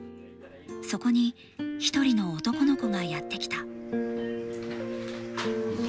そこに一人の男の子がやって来た。